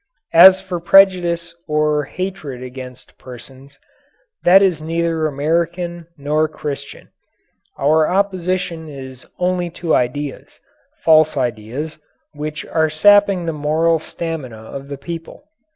As for prejudice or hatred against persons, that is neither American nor Christian. Our opposition is only to ideas, false ideas, which are sapping the moral stamina of the people.